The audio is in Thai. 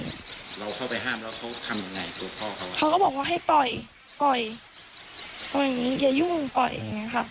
เราเข้าไปห้ามแล้วเขาทำยังไงตัวพ่อเขาเขาก็บอกว่าให้ปล่อยปล่อยอย่างงี้อย่ายุ่งปล่อยอย่างเงี้ค่ะ